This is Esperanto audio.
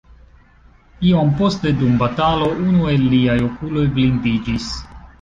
Iom poste dum batalo unu el liaj okuloj blindiĝis.